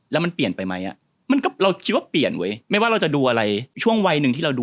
แล้วมันเปลี่ยนไปไหมอ่ะมันก็เราคิดว่าเปลี่ยนเว้ยไม่ว่าเราจะดูอะไรช่วงวัยหนึ่งที่เราดู